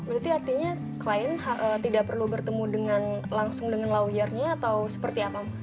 berarti artinya klien tidak perlu bertemu langsung dengan lawyernya atau seperti apa